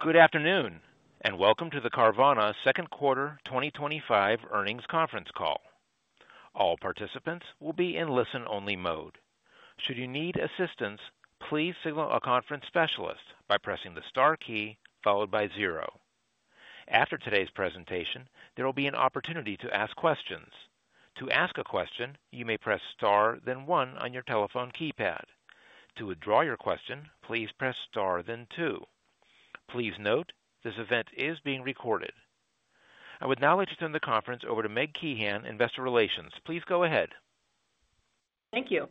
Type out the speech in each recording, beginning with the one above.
Good afternoon, and welcome to the Carvana Second Quarter 2025 earnings conference call. All participants will be in listen-only mode. Should you need assistance, please signal a conference specialist by pressing the star key followed by zero. After today's presentation, there will be an opportunity to ask questions. To ask a question, you may press star then one on your telephone keypad. To withdraw your question, please press star then two. Please note this event is being recorded. I would now like to turn the conference over to Meg Kehan, investor relations. Please go ahead. Thank you.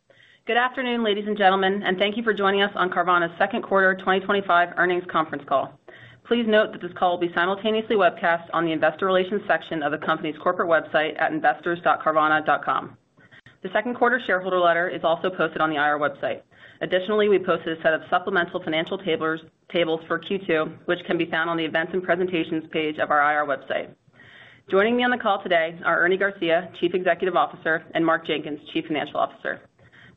Good afternoon, ladies and gentlemen, and thank you for joining us on Carvana's Second Quarter 2025 earnings conference call. Please note that this call will be simultaneously webcast on the investor relations section of the company's corporate website at investors.carvana.com. The second quarter shareholder letter is also posted on the IR website. Additionally, we posted a set of supplemental financial tables for Q2, which can be found on the events and presentations page of our IR website. Joining me on the call today are Ernie Garcia, Chief Executive Officer, and Mark Jenkins, Chief Financial Officer.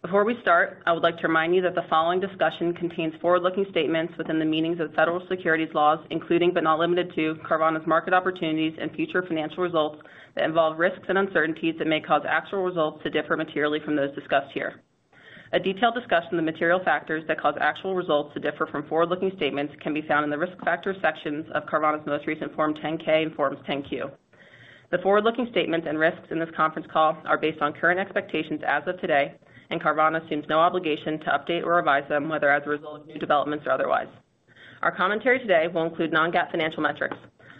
Before we start, I would like to remind you that the following discussion contains forward-looking statements within the meanings of federal securities laws, including but not limited to Carvana's market opportunities and future financial results that involve risks and uncertainties that may cause actual results to differ materially from those discussed here. A detailed discussion of the material factors that cause actual results to differ from forward-looking statements can be found in the risk factors sections of Carvana's most recent Form 10-K and Forms 10-Q. The forward-looking statements and risks in this conference call are based on current expectations as of today, and Carvana assumes no obligation to update or revise them, whether as a result of new developments or otherwise. Our commentary today will include non-GAAP financial metrics.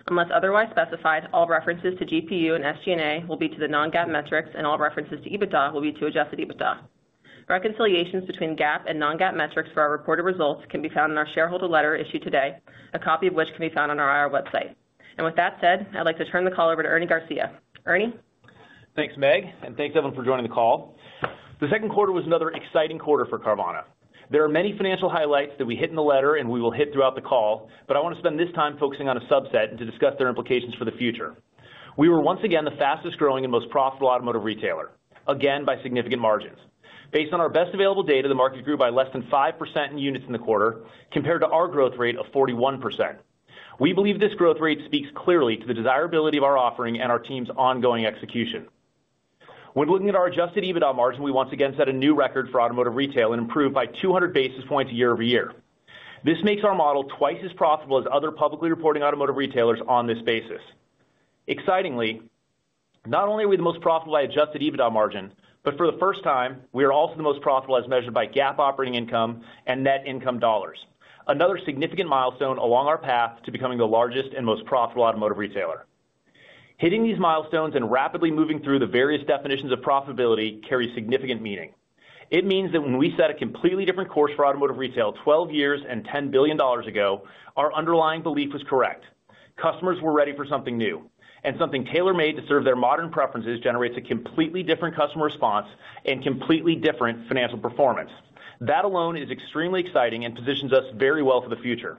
Unless otherwise specified, all references to GPU and SG&A will be to the non-GAAP metrics, and all references to EBITDA will be to adjusted EBITDA. Reconciliations between GAAP and non-GAAP metrics for our reported results can be found in our shareholder letter issued today, a copy of which can be found on our IR website. With that said, I'd like to turn the call over to Ernie Garcia. Ernie. Thanks, Meg, and thanks, everyone, for joining the call. The second quarter was another exciting quarter for Carvana. There are many financial highlights that we hit in the letter and we will hit throughout the call, but I want to spend this time focusing on a subset and to discuss their implications for the future. We were once again the fastest-growing and most profitable automotive retailer, again by significant margins. Based on our best available data, the market grew by less than 5% in units in the quarter compared to our growth rate of 41%. We believe this growth rate speaks clearly to the desirability of our offering and our team's ongoing execution. When looking at our adjusted EBITDA margin, we once again set a new record for automotive retail and improved by 200 basis points year over year. This makes our model twice as profitable as other publicly reporting automotive retailers on this basis. Excitingly, not only are we the most profitable by adjusted EBITDA margin, but for the first time, we are also the most profitable as measured by GAAP operating income and net income dollars, another significant milestone along our path to becoming the largest and most profitable automotive retailer. Hitting these milestones and rapidly moving through the various definitions of profitability carries significant meaning. It means that when we set a completely different course for automotive retail 12 years and $10 billion ago, our underlying belief was correct. Customers were ready for something new, and something tailor-made to serve their modern preferences generates a completely different customer response and completely different financial performance. That alone is extremely exciting and positions us very well for the future.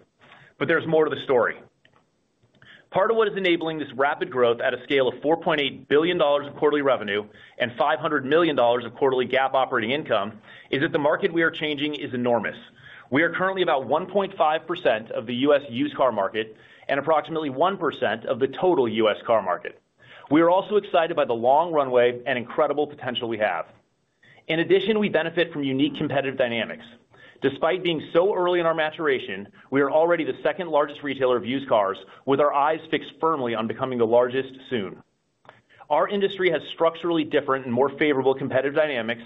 There is more to the story. Part of what is enabling this rapid growth at a scale of $4.8 billion of quarterly revenue and $500 million of quarterly GAAP operating income is that the market we are changing is enormous. We are currently about 1.5% of the U.S. used car market and approximately 1% of the total U.S. car market. We are also excited by the long runway and incredible potential we have. In addition, we benefit from unique competitive dynamics. Despite being so early in our maturation, we are already the second-largest retailer of used cars, with our eyes fixed firmly on becoming the largest soon. Our industry has structurally different and more favorable competitive dynamics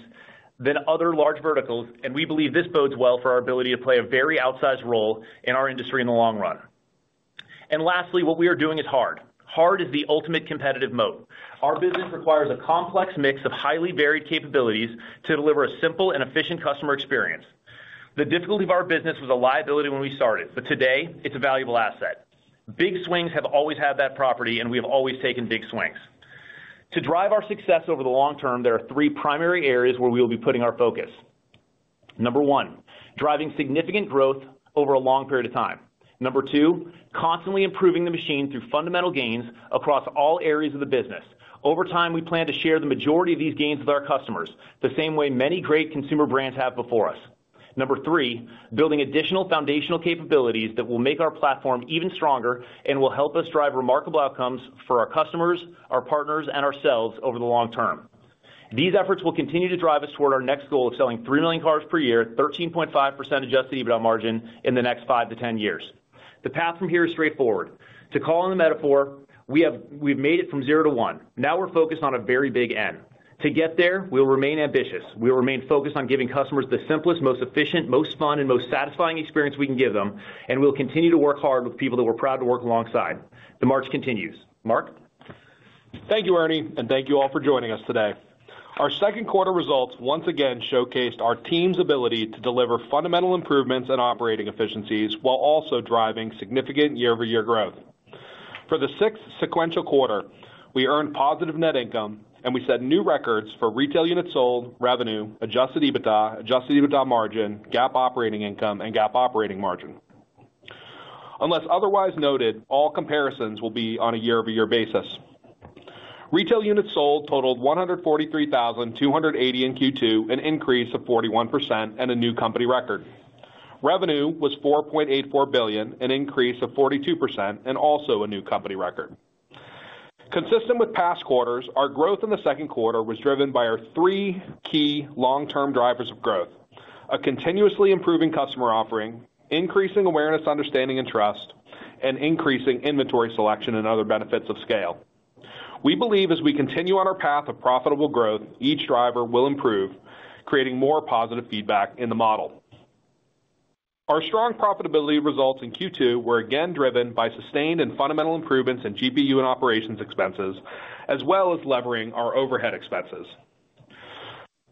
than other large verticals, and we believe this bodes well for our ability to play a very outsized role in our industry in the long run. What we are doing is hard. Hard is the ultimate competitive moat. Our business requires a complex mix of highly varied capabilities to deliver a simple and efficient customer experience. The difficulty of our business was a liability when we started, but today it's a valuable asset. Big swings have always had that property, and we have always taken big swings. To drive our success over the long term, there are three primary areas where we will be putting our focus. Number one, driving significant growth over a long period of time. Number two, constantly improving the machine through fundamental gains across all areas of the business. Over time, we plan to share the majority of these gains with our customers the same way many great consumer brands have before us. Number three, building additional foundational capabilities that will make our platform even stronger and will help us drive remarkable outcomes for our customers, our partners, and ourselves over the long term. These efforts will continue to drive us toward our next goal of selling 3 million cars per year, 13.5% adjusted EBITDA margin in the next 5-10 years. The path from here is straightforward. To call on the metaphor, we have made it from zero to one. Now we're focused on a very big N. To get there, we'll remain ambitious. We'll remain focused on giving customers the simplest, most efficient, most fun, and most satisfying experience we can give them, and we'll continue to work hard with people that we're proud to work alongside. The march continues. Mark. Thank you, Ernie, and thank you all for joining us today. Our second quarter results once again showcased our team's ability to deliver fundamental improvements and operating efficiencies while also driving significant year-over-year growth. For the sixth sequential quarter, we earned positive net income, and we set new records for retail units sold, revenue, adjusted EBITDA, adjusted EBITDA margin, GAAP operating income, and GAAP operating margin. Unless otherwise noted, all comparisons will be on a year-over-year basis. Retail units sold totaled 143,280 in Q2, an increase of 41%, and a new company record. Revenue was $4.84 billion, an increase of 42%, and also a new company record. Consistent with past quarters, our growth in the second quarter was driven by our three key long-term drivers of growth: a continuously improving customer offering, increasing awareness, understanding, and trust, and increasing inventory selection and other benefits of scale. We believe as we continue on our path of profitable growth, each driver will improve, creating more positive feedback in the model. Our strong profitability results in Q2 were again driven by sustained and fundamental improvements in GPU and operations expenses, as well as levering our overhead expenses.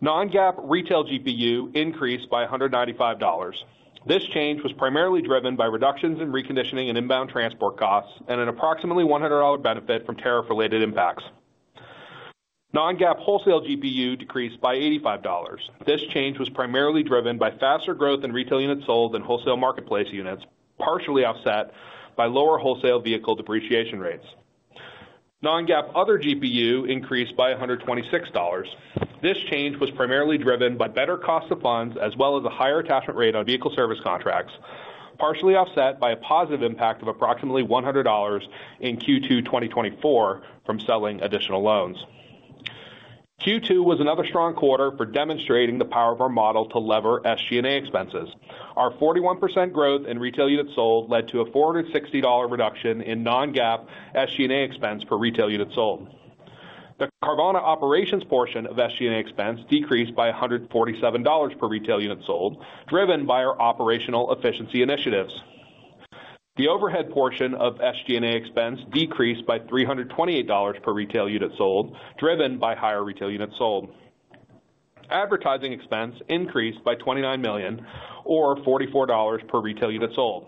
Non-GAAP retail GPU increased by $195. This change was primarily driven by reductions in reconditioning and inbound transport costs and an approximately $100 benefit from tariff-related impacts. Non-GAAP wholesale GPU decreased by $85. This change was primarily driven by faster growth in retail units sold than wholesale marketplace units, partially offset by lower wholesale vehicle depreciation rates. Non-GAAP other GPU increased by $126. This change was primarily driven by better cost of funds as well as a higher attachment rate on vehicle service contracts, partially offset by a positive impact of approximately $100 in Q2 2024 from selling additional loans. Q2 was another strong quarter for demonstrating the power of our model to lever SG&A expenses. Our 41% growth in retail units sold led to a $460 reduction in non-GAAP SG&A expense for retail units sold. The Carvana operations portion of SG&A expense decreased by $147 per retail unit sold, driven by our operational efficiency initiatives. The overhead portion of SG&A expense decreased by $328 per retail unit sold, driven by higher retail units sold. Advertising expense increased by $29 million, or $44 per retail unit sold.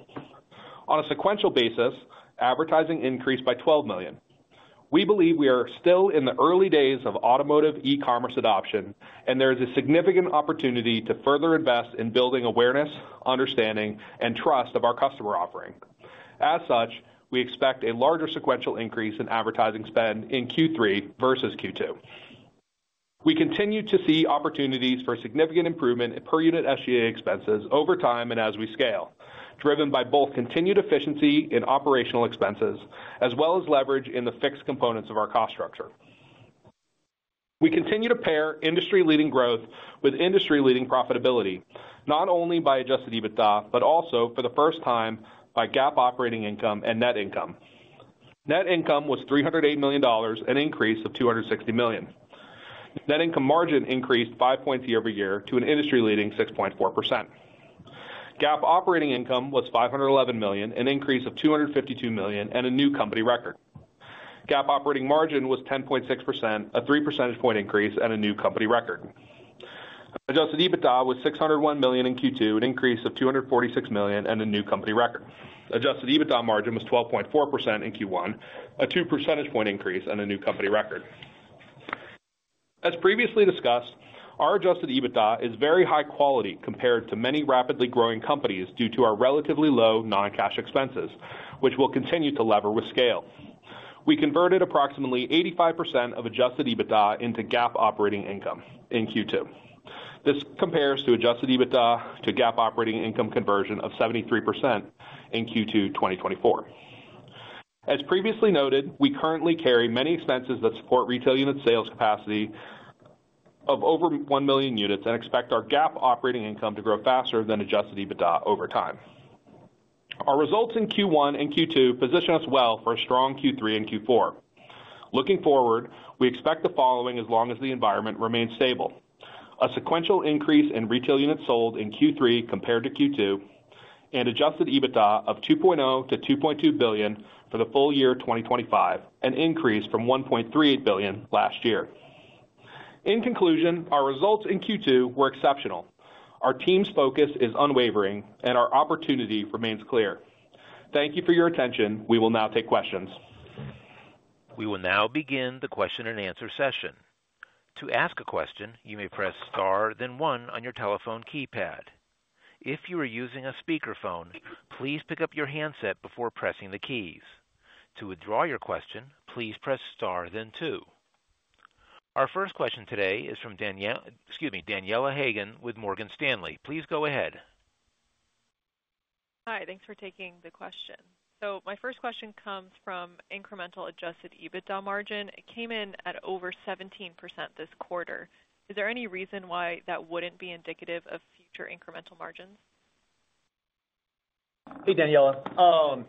On a sequential basis, advertising increased by $12 million. We believe we are still in the early days of automotive e-commerce adoption, and there is a significant opportunity to further invest in building awareness, understanding, and trust of our customer offering. As such, we expect a larger sequential increase in advertising spend in Q3 versus Q2. We continue to see opportunities for significant improvement in per-unit SG&A expenses over time and as we scale, driven by both continued efficiency in operational expenses as well as leverage in the fixed components of our cost structure. We continue to pair industry-leading growth with industry-leading profitability, not only by adjusted EBITDA, but also for the first time by GAAP operating income and net income. Net income was $308 million, an increase of $260 million. Net income margin increased 5 points year over year to an industry-leading 6.4%. GAAP operating income was $511 million, an increase of $252 million, and a new company record. GAAP operating margin was 10.6%, a 3 percentage point increase, and a new company record. Adjusted EBITDA was $601 million in Q2, an increase of $246 million, and a new company record. Adjusted EBITDA margin was 12.4% in Q1, a 2 percentage point increase, and a new company record. As previously discussed, our adjusted EBITDA is very high quality compared to many rapidly growing companies due to our relatively low non-cash expenses, which will continue to lever with scale. We converted approximately 85% of adjusted EBITDA into GAAP operating income in Q2. This compares to adjusted EBITDA to GAAP operating income conversion of 73% in Q2 2024. As previously noted, we currently carry many expenses that support retail unit sales capacity of over 1 million units and expect our GAAP operating income to grow faster than adjusted EBITDA over time. Our results in Q1 and Q2 position us well for a strong Q3 and Q4. Looking forward, we expect the following as long as the environment remains stable: a sequential increase in retail units sold in Q3 compared to Q2, and adjusted EBITDA of $2.0 to $2.2 billion for the full year 2025, an increase from $1.38 billion last year. In conclusion, our results in Q2 were exceptional. Our team's focus is unwavering, and our opportunity remains clear. Thank you for your attention. We will now take questions. We will now begin the question and answer session. To ask a question, you may press star then one on your telephone keypad. If you are using a speakerphone, please pick up your handset before pressing the keys. To withdraw your question, please press star then two. Our first question today is from Daniela Haigian with Morgan Stanley. Please go ahead. Hi. Thanks for taking the question. My first question comes from incremental adjusted EBITDA margin. It came in at over 17% this quarter. Is there any reason why that wouldn't be indicative of future incremental margins? Hey, Daniela.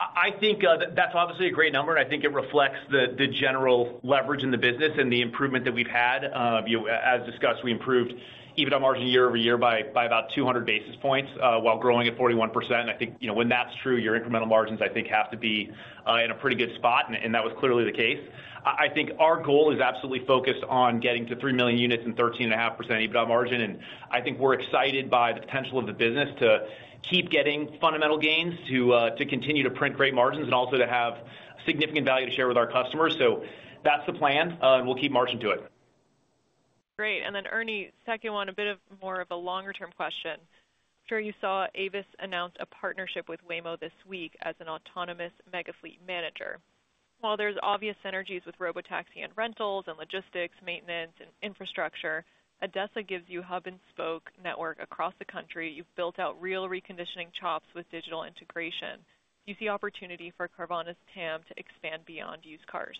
I think that's obviously a great number, and I think it reflects the general leverage in the business and the improvement that we've had. As discussed, we improved EBITDA margin year over year by about 200 basis points while growing at 41%. I think when that's true, your incremental margins, I think, have to be in a pretty good spot, and that was clearly the case. I think our goal is absolutely focused on getting to 3 million units and 13.5% EBITDA margin. I think we're excited by the potential of the business to keep getting fundamental gains, to continue to print great margins, and also to have significant value to share with our customers. That's the plan, and we'll keep marching to it. Great. Ernie, second one, a bit more of a longer-term question. I'm sure you saw Avis announce a partnership with Waymo this week as an autonomous mega fleet manager. There are obvious synergies with robotaxi and rentals and logistics, maintenance, and infrastructure. Odessa gives you hub-and-spoke network across the country. You've built out real reconditioning chops with digital integration. Do you see opportunity for Carvana's TAM to expand beyond used cars?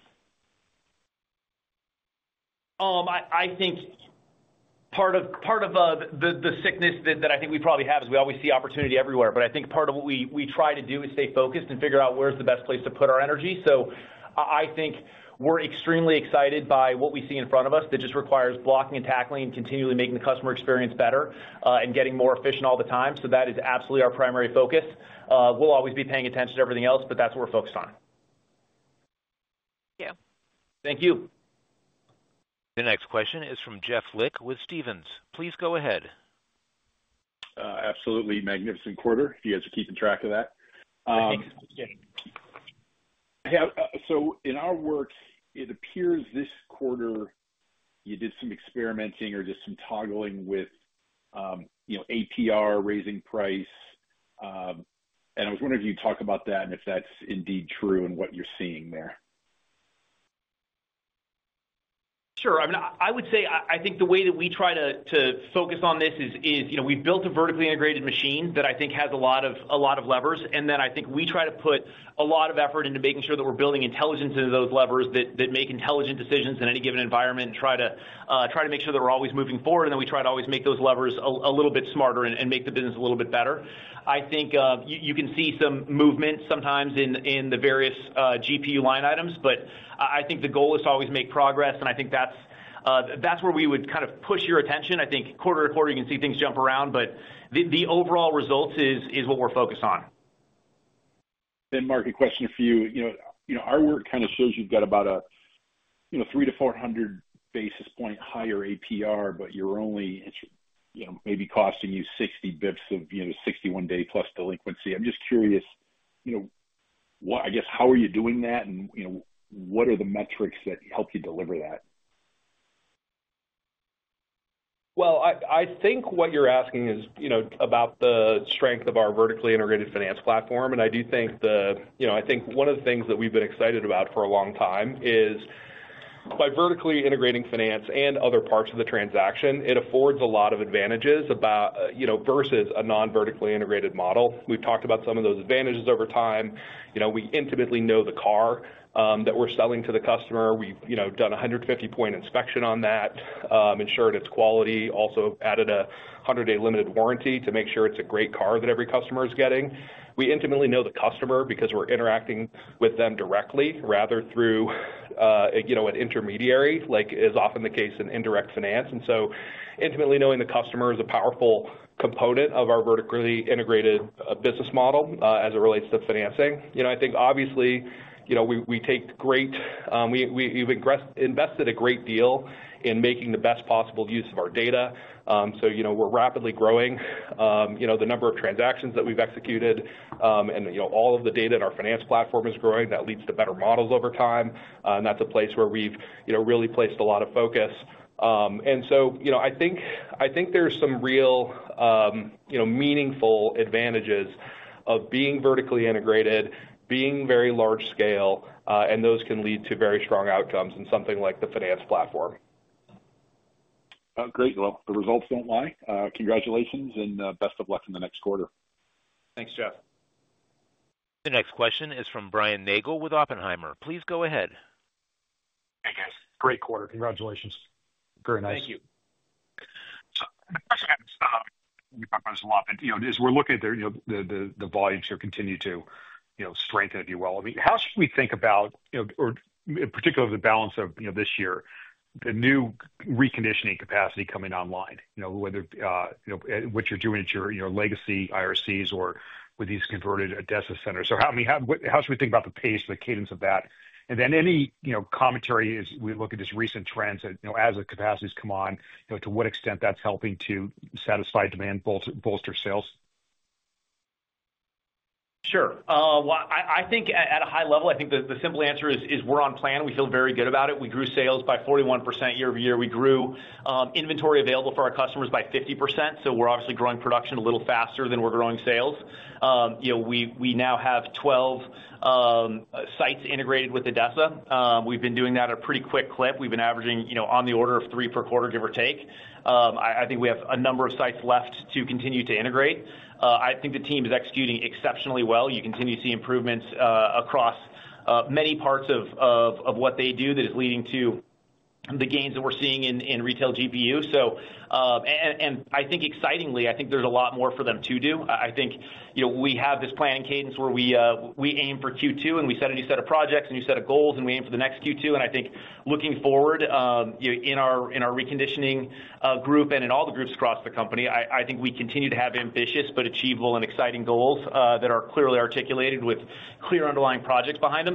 I think part of the sickness that I think we probably have is we always see opportunity everywhere. I think part of what we try to do is stay focused and figure out where's the best place to put our energy. I think we're extremely excited by what we see in front of us that just requires blocking and tackling and continually making the customer experience better and getting more efficient all the time. That is absolutely our primary focus. We'll always be paying attention to everything else, but that's what we're focused on. Thank you. Thank you. The next question is from Jeff Lick with Stephens. Please go ahead. Absolutely. Magnificent quarter if you guys are keeping track of that. Thanks, Jimmy. In our work, it appears this quarter you did some experimenting or just some toggling with APR, raising price. I was wondering if you'd talk about that and if that's indeed true and what you're seeing there. Sure. I would say I think the way that we try to focus on this is we've built a vertically integrated machine that I think has a lot of levers. I think we try to put a lot of effort into making sure that we're building intelligence into those levers that make intelligent decisions in any given environment and try to make sure that we're always moving forward. We try to always make those levers a little bit smarter and make the business a little bit better. I think you can see some movement sometimes in the various GPU line items, but I think the goal is to always make progress. I think that's where we would kind of push your attention. Quarter to quarter, you can see things jump around, but the overall results is what we're focused on. Mark, a question for you. Our work kind of shows you've got about a 300-400 basis point higher APR, but you're only maybe costing you 60 bps of 61-day plus delinquency. I'm just curious, I guess, how are you doing that, and what are the metrics that help you deliver that? I think what you're asking is about the strength of our vertically integrated finance platform. I do think one of the things that we've been excited about for a long time is by vertically integrating finance and other parts of the transaction, it affords a lot of advantages versus a non-vertically integrated model. We've talked about some of those advantages over time. We intimately know the car that we're selling to the customer. We've done a 150-point inspection on that, ensured its quality, also added a 100-day limited warranty to make sure it's a great car that every customer is getting. We intimately know the customer because we're interacting with them directly rather than through an intermediary, like is often the case in indirect finance. Intimately knowing the customer is a powerful component of our vertically integrated business model as it relates to financing. I think, obviously, we've invested a great deal in making the best possible use of our data. We're rapidly growing the number of transactions that we've executed and all of the data in our finance platform is growing. That leads to better models over time, and that's a place where we've really placed a lot of focus. I think there's some real meaningful advantages of being vertically integrated, being very large scale, and those can lead to very strong outcomes in something like the finance platform. Great. The results don't lie. Congratulations and best of luck in the next quarter. Thanks, Jeff. The next question is from Brian Nagel with Oppenheimer. Please go ahead. Hey, guys. Great quarter. Congratulations. Very nice. Thank you. We talked about this a lot. As we're looking at there, the volumes here continue to strengthen, if you will. I mean, how should we think about, in particular, the balance of this year, the new reconditioning capacity coming online, whether what you're doing at your legacy IRCs or with these converted Odessa centers? I mean, how should we think about the pace or the cadence of that? Any commentary as we look at this recent trend as the capacities come on, to what extent that's helping to satisfy demand, bolster sales? Sure. I think at a high level, the simple answer is we're on plan. We feel very good about it. We grew sales by 41% year over year. We grew inventory available for our customers by 50%. We're obviously growing production a little faster than we're growing sales. We now have 12 sites integrated with Odessa. We've been doing that at a pretty quick clip. We've been averaging on the order of three per quarter, give or take. I think we have a number of sites left to continue to integrate. I think the team is executing exceptionally well. You continue to see improvements across many parts of what they do that is leading to the gains that we're seeing in retail GPU. I think, excitingly, there's a lot more for them to do. We have this planning cadence where we aim for Q2, and we set a new set of projects, a new set of goals, and we aim for the next Q2. Looking forward, in our reconditioning group and in all the groups across the company, I think we continue to have ambitious but achievable and exciting goals that are clearly articulated with clear underlying projects behind them.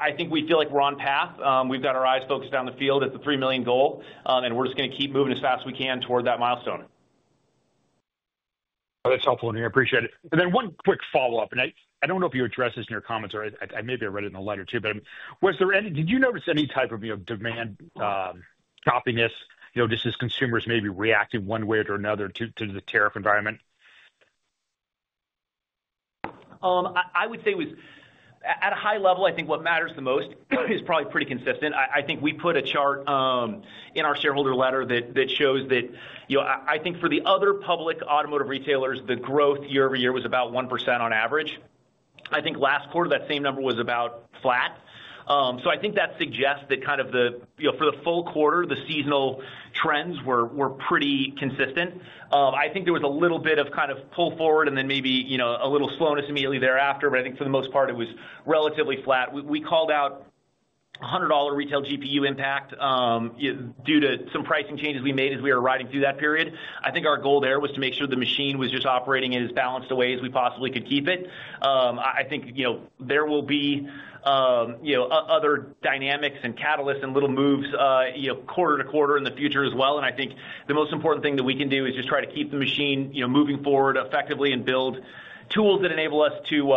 I think we feel like we're on path. We've got our eyes focused down the field at the 3 million goal, and we're just going to keep moving as fast as we can toward that milestone. That's helpful, I appreciate it. One quick follow-up. I don't know if you addressed this in your comments or maybe I read it in the letter too, but did you notice any type of demand choppiness, just as consumers may be reacting one way or another to the tariff environment? I would say at a high level, I think what matters the most is probably pretty consistent. I think we put a chart in our shareholder letter that shows that I think for the other public automotive retailers, the growth year over year was about 1% on average. I think last quarter, that same number was about flat. That suggests that for the full quarter, the seasonal trends were pretty consistent. I think there was a little bit of pull forward and then maybe a little slowness immediately thereafter. For the most part, it was relatively flat. We called out a $100 retail GPU impact due to some pricing changes we made as we were riding through that period. Our goal there was to make sure the machine was just operating in as balanced a way as we possibly could keep it. There will be other dynamics and catalysts and little moves quarter to quarter in the future as well. I think the most important thing that we can do is just try to keep the machine moving forward effectively and build tools that enable us to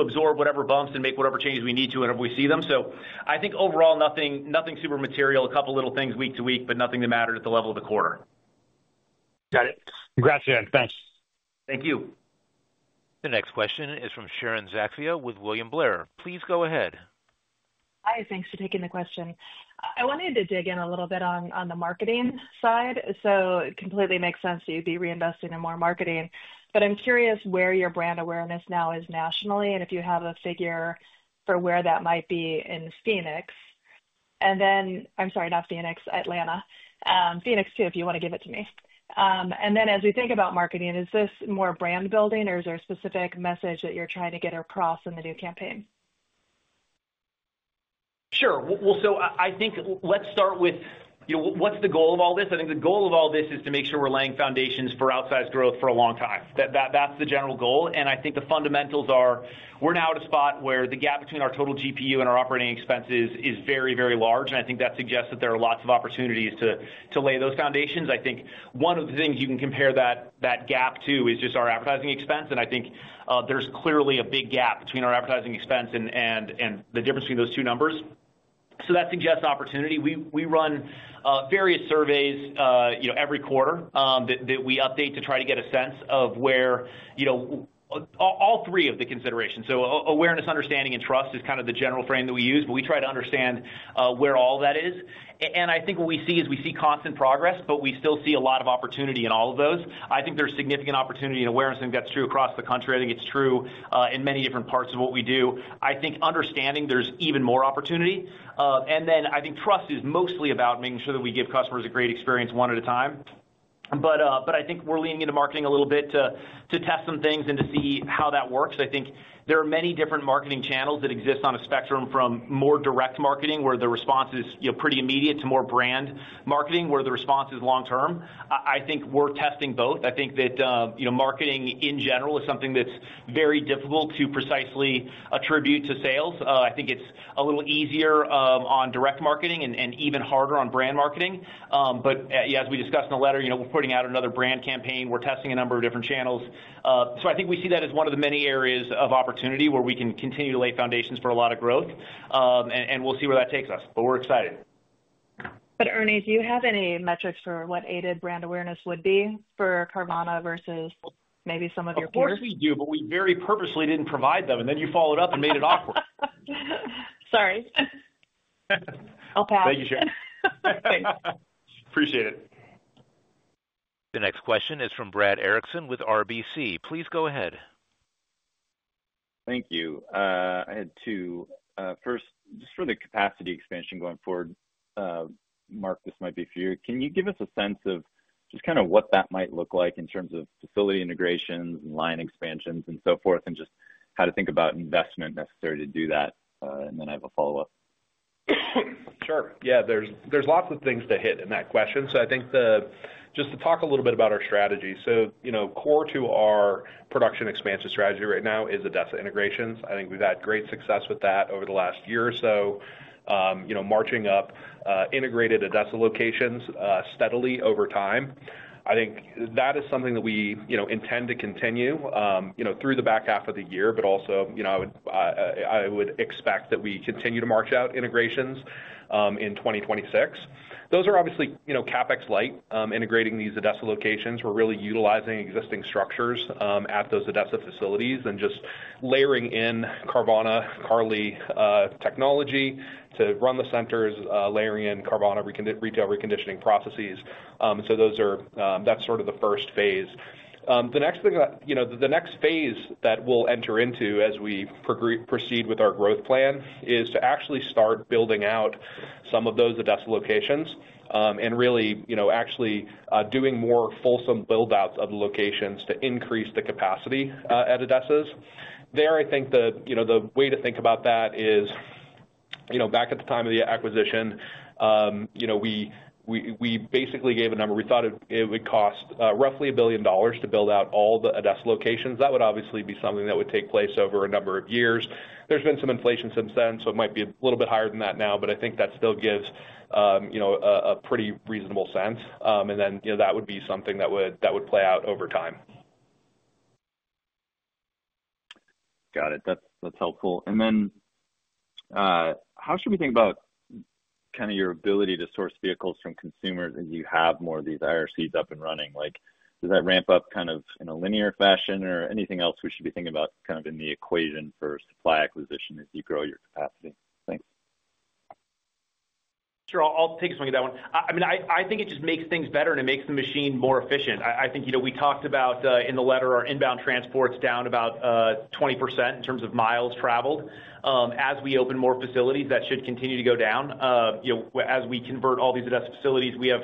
absorb whatever bumps and make whatever changes we need to whenever we see them. Overall, nothing super material, a couple of little things week to week, but nothing that mattered at the level of the quarter. Got it. Congrats, Jen. Thanks. Thank you. The next question is from Sharon Zackfia with William Blair. Please go ahead. Hi. Thanks for taking the question. I wanted to dig in a little bit on the marketing side. It completely makes sense that you'd be reinvesting in more marketing. I'm curious where your brand awareness now is nationally and if you have a figure for where that might be in Phoenix. I'm sorry, not Phoenix, Atlanta. Phoenix too, if you want to give it to me. As we think about marketing, is this more brand building or is there a specific message that you're trying to get across in the new campaign? Sure. I think let's start with what's the goal of all this. I think the goal of all this is to make sure we're laying foundations for outsized growth for a long time. That's the general goal. I think the fundamentals are we're now at a spot where the gap between our total GPU and our operating expenses is very, very large. I think that suggests that there are lots of opportunities to lay those foundations. One of the things you can compare that gap to is just our advertising expense. I think there's clearly a big gap between our advertising expense and the difference between those two numbers. That suggests opportunity. We run various surveys every quarter that we update to try to get a sense of where all three of the considerations—awareness, understanding, and trust—is kind of the general frame that we use. We try to understand where all that is. I think what we see is we see constant progress, but we still see a lot of opportunity in all of those. I think there's significant opportunity in awareness. I think that's true across the country. I think it's true in many different parts of what we do. I think understanding there's even more opportunity. I think trust is mostly about making sure that we give customers a great experience one at a time. I think we're leaning into marketing a little bit to test some things and to see how that works. There are many different marketing channels that exist on a spectrum from more direct marketing, where the response is pretty immediate, to more brand marketing, where the response is long-term. We're testing both. I think that marketing in general is something that's very difficult to precisely attribute to sales. I think it's a little easier on direct marketing and even harder on brand marketing. As we discussed in the letter, we're putting out another brand campaign. We're testing a number of different channels. I think we see that as one of the many areas of opportunity where we can continue to lay foundations for a lot of growth. We'll see where that takes us. We're excited. Ernie, do you have any metrics for what aided brand awareness would be for Carvana versus maybe some of your quarters? Of course we do, we very purposely didn't provide them. You followed up and made it awkward. Sorry, I'll pass. Thank you, Sharon. Appreciate it. The next question is from Brad Erickson with RBC. Please go ahead. Thank you. I had two. First, just for the capacity expansion going forward. Mark, this might be for you. Can you give us a sense of just kind of what that might look like in terms of facility integrations and line expansions and so forth, and just how to think about investment necessary to do that? I have a follow-up. Sure. Yeah. There's lots of things to hit in that question. I think just to talk a little bit about our strategy, core to our production expansion strategy right now is Odessa integrations. I think we've had great success with that over the last year or so, marching up integrated Odessa locations steadily over time. I think that is something that we intend to continue through the back half of the year. I would expect that we continue to march out integrations in 2026. Those are obviously CapEx-light, integrating these Odessa locations. We're really utilizing existing structures at those Odessa facilities and just layering in Carvana, Carvana technology to run the centers, layering in Carvana retail reconditioning processes. That's sort of the first phase. The next phase that we'll enter into as we proceed with our growth plan is to actually start building out some of those Odessa locations and really actually doing more fulsome buildouts of the locations to increase the capacity at Odessas. I think the way to think about that is, back at the time of the acquisition, we basically gave a number. We thought it would cost roughly $1 billion to build out all the Odessa locations. That would obviously be something that would take place over a number of years. There's been some inflation since then, so it might be a little bit higher than that now, but I think that still gives a pretty reasonable sense. That would be something that would play out over time. Got it. That's helpful. How should we think about your ability to source vehicles from consumers as you have more of these IRCs up and running? Does that ramp up in a linear fashion or anything else we should be thinking about in the equation for supply acquisition as you grow your capacity? Thanks. Sure. I'll take a swing at that one. I think it just makes things better and it makes the machine more efficient. I think we talked about in the letter, our inbound transport's down about 20% in terms of miles traveled. As we open more facilities, that should continue to go down. As we convert all these Odessa facilities, we have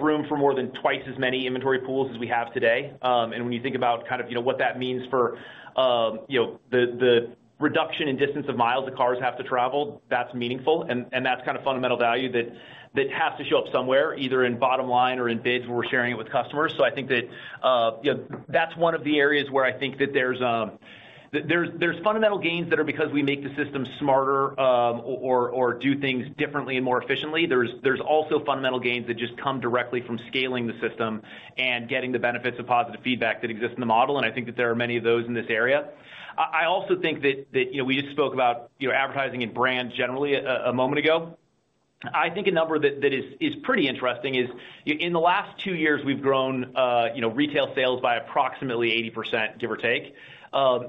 room for more than twice as many inventory pools as we have today. When you think about what that means for the reduction in distance of miles the cars have to travel, that's meaningful. That's kind of fundamental value that has to show up somewhere, either in bottom line or in bids where we're sharing it with customers. I think that's one of the areas where I think that there's fundamental gains that are because we make the system smarter or do things differently and more efficiently. There's also fundamental gains that just come directly from scaling the system and getting the benefits of positive feedback that exists in the model. I think that there are many of those in this area. I also think that we just spoke about advertising and brand generally a moment ago. I think a number that is pretty interesting is in the last two years, we've grown retail sales by approximately 80%, give or take.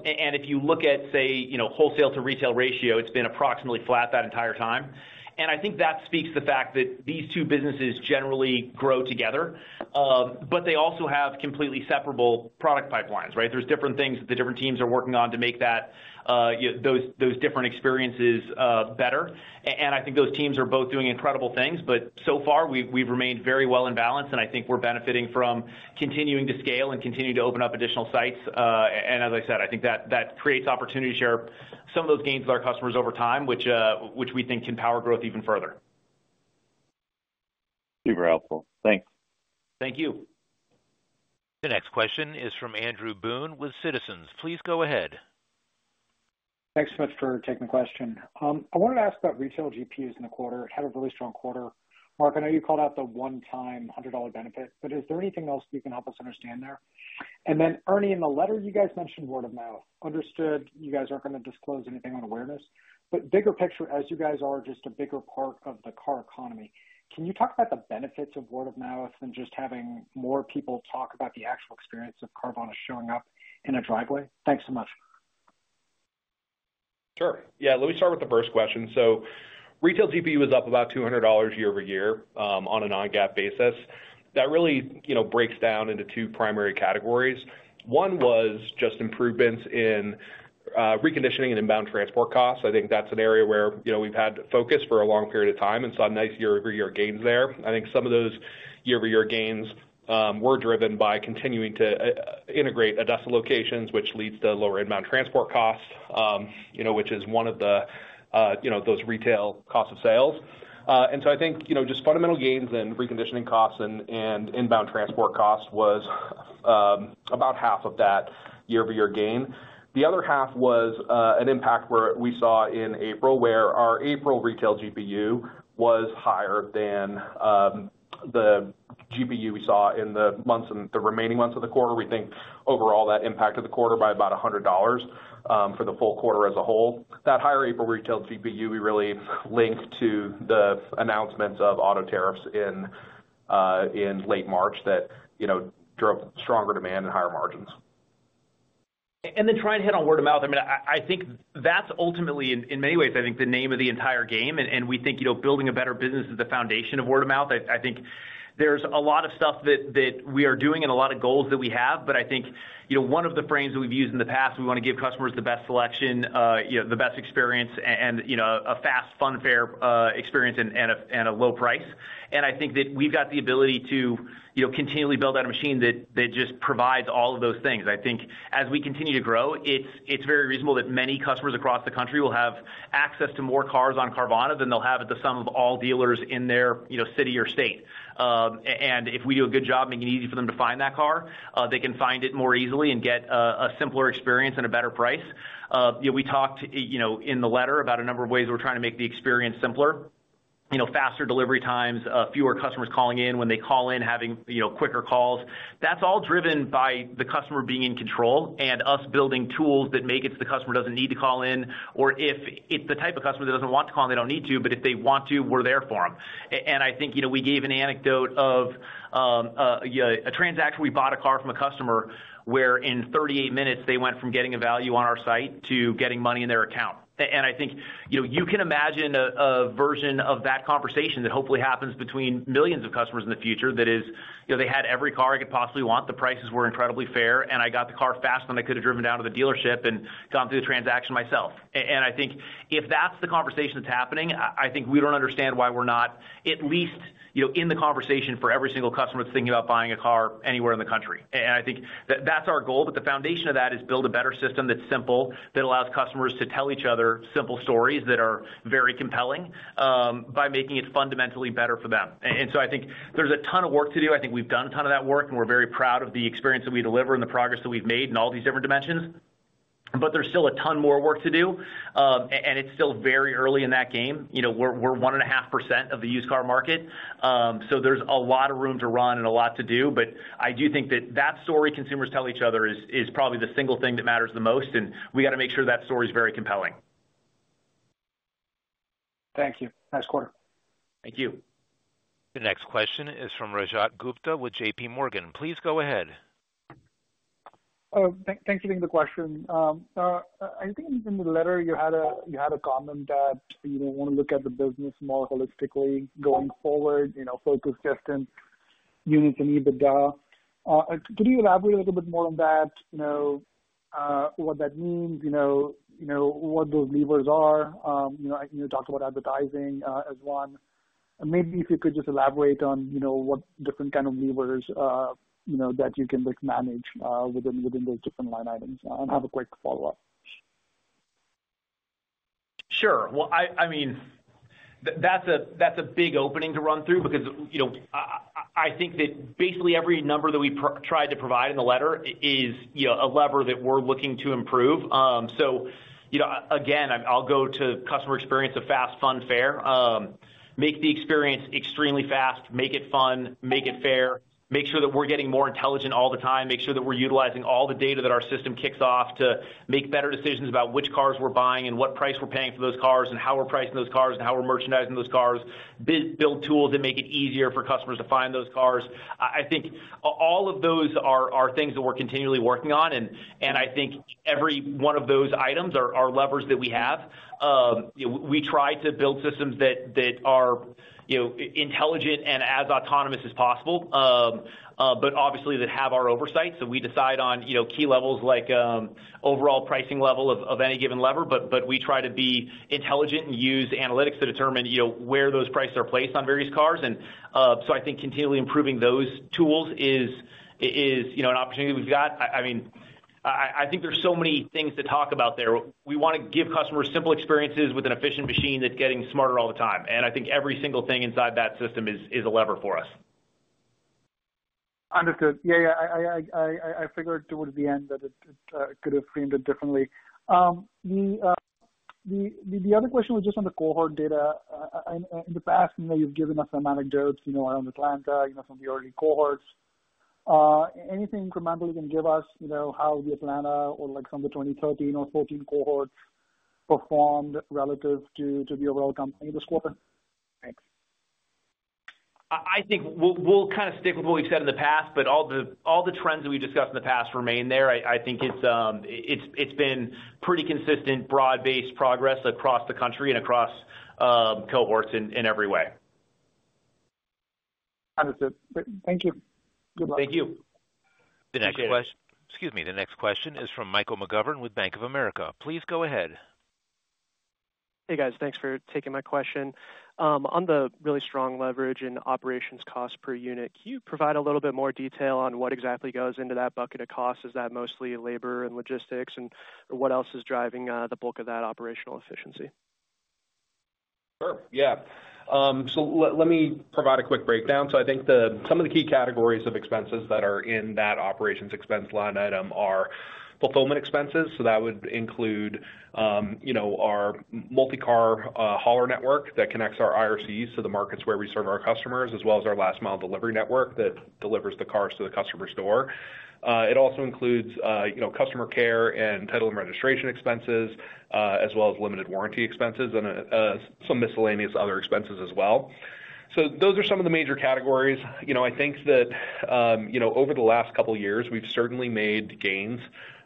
If you look at, say, wholesale to retail ratio, it's been approximately flat that entire time. I think that speaks to the fact that these two businesses generally grow together, but they also have completely separable product pipelines, right? There's different things that the different teams are working on to make those different experiences better. I think those teams are both doing incredible things, but so far, we've remained very well in balance. I think we're benefiting from continuing to scale and continue to open up additional sites. As I said, I think that creates opportunity to share some of those gains with our customers over time, which we think can power growth even further. Super helpful. Thanks. Thank you. The next question is from Andrew Boone with Citizens. Please go ahead. Thanks so much for taking the question. I wanted to ask about retail GPUs in the quarter. Had a really strong quarter. Mark, I know you called out the one-time $100 benefit, but is there anything else you can help us understand there? Ernie, in the letter, you guys mentioned word of mouth. Understood. You guys aren't going to disclose anything on awareness. Bigger picture, as you guys are just a bigger part of the car economy, can you talk about the benefits of word of mouth and just having more people talk about the actual experience of Carvana showing up in a driveway? Thanks so much. Sure. Let me start with the first question. Retail GPU is up about $200 year over year on a non-GAAP basis. That really breaks down into two primary categories. One was just improvements in reconditioning and inbound transport costs. I think that's an area where we've had focus for a long period of time and saw nice year-over-year gains there. I think some of those year-over-year gains were driven by continuing to integrate Odessa locations, which leads to lower inbound transport costs, which is one of those retail costs of sales. I think just fundamental gains in reconditioning costs and inbound transport costs was about half of that year-over-year gain. The other half was an impact where we saw in April where our April retail GPU was higher than the GPU we saw in the months and the remaining months of the quarter. We think overall that impacted the quarter by about $100 for the full quarter as a whole. That higher April retail GPU, we really linked to the announcements of auto tariffs in late March that drove stronger demand and higher margins. Trying to hit on word of mouth, I think that's ultimately, in many ways, the name of the entire game. We think building a better business is the foundation of word of mouth. I think there's a lot of stuff that we are doing and a lot of goals that we have. One of the frames that we've used in the past, we want to give customers the best selection, the best experience, and a fast, fun-fair experience at a low price. I think that we've got the ability to continually build out a machine that just provides all of those things. As we continue to grow, it's very reasonable that many customers across the country will have access to more cars on Carvana than they'll have at the sum of all dealers in their city or state. If we do a good job making it easy for them to find that car, they can find it more easily and get a simpler experience at a better price. We talked in the letter about a number of ways we're trying to make the experience simpler. Faster delivery times, fewer customers calling in, when they call in, having quicker calls. That's all driven by the customer being in control and us building tools that make it so the customer doesn't need to call in. If it's the type of customer that doesn't want to call in, they don't need to, but if they want to, we're there for them. I think we gave an anecdote of. A transaction where we bought a car from a customer where in 38 minutes, they went from getting a value on our site to getting money in their account. I think you can imagine a version of that conversation that hopefully happens between millions of customers in the future that is they had every car I could possibly want. The prices were incredibly fair, and I got the car fast enough I could have driven down to the dealership and gone through the transaction myself. If that's the conversation that's happening, I think we don't understand why we're not at least in the conversation for every single customer that's thinking about buying a car anywhere in the country. I think that's our goal. The foundation of that is to build a better system that's simple, that allows customers to tell each other simple stories that are very compelling by making it fundamentally better for them. I think there's a ton of work to do. I think we've done a ton of that work, and we're very proud of the experience that we deliver and the progress that we've made in all these different dimensions. There's still a ton more work to do, and it's still very early in that game. We're 1.5% of the used car market, so there's a lot of room to run and a lot to do. I do think that that story consumers tell each other is probably the single thing that matters the most. We got to make sure that story is very compelling. Thank you. Nice quarter. Thank you. The next question is from Rajat Gupta with JPMorgan. Please go ahead. Thanks for the question. I think in the letter, you had a comment that you don't want to look at the business more holistically going forward, focused just in units and EBITDA. Could you elaborate a little bit more on that, what that means, what those levers are? You talked about advertising as one. Maybe if you could just elaborate on what different kind of levers that you can manage within those different line items and have a quick follow-up. Sure. That's a big opening to run through because I think that basically every number that we tried to provide in the letter is a lever that we're looking to improve. Again, I'll go to customer experience of fast, fun, fair. Make the experience extremely fast, make it fun, make it fair, make sure that we're getting more intelligent all the time, make sure that we're utilizing all the data that our system kicks off to make better decisions about which cars we're buying and what price we're paying for those cars and how we're pricing those cars and how we're merchandising those cars, build tools that make it easier for customers to find those cars. I think all of those are things that we're continually working on. I think every one of those items are levers that we have. We try to build systems that are intelligent and as autonomous as possible, but obviously that have our oversight. We decide on key levels like overall pricing level of any given lever, but we try to be intelligent and use analytics to determine where those prices are placed on various cars. I think continually improving those tools is an opportunity we've got. I think there's so many things to talk about there. We want to give customers simple experiences with an efficient machine that's getting smarter all the time. I think every single thing inside that system is a lever for us. Understood. I figured towards the end that I could have framed it differently. The other question was just on the cohort data. In the past, you've given us some anecdotes around Atlanta, some of the early cohorts. Anything incrementally you can give us, how the Atlanta or some of the 2013 or 2014 cohorts performed relative to the overall company this quarter? Thanks. I think we'll kind of stick with what we've said in the past, but all the trends that we discussed in the past remain there. I think it's been pretty consistent, broad-based progress across the country and across cohorts in every way. Understood. Thank you. Good luck. Thank you. The next question is from Michael McGovern with Bank of America. Please go ahead. Hey, guys. Thanks for taking my question. On the really strong leverage and operations cost per unit, can you provide a little bit more detail on what exactly goes into that bucket of costs? Is that mostly labor and logistics, and what else is driving the bulk of that operational efficiency? Sure. Yeah. Let me provide a quick breakdown. I think some of the key categories of expenses that are in that operations expense line item are fulfillment expenses. That would include our multi-car hauler network that connects our IRCs to the markets where we serve our customers, as well as our last-mile delivery network that delivers the cars to the customer's door. It also includes customer care and title and registration expenses, as well as limited warranty expenses and some miscellaneous other expenses as well. Those are some of the major categories. Over the last couple of years, we've certainly made gains